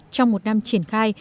trong một năm triển khai